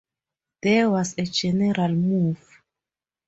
There was a general move.